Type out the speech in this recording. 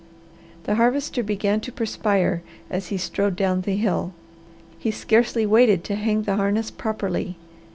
The Harvester began to perspire as he strode down the hill. He scarcely waited to hang the harness properly.